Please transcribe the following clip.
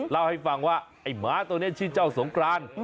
เล่าให้ฟังว่าไอ้หมาตัวนี้ชื่อเจ้าสงกราน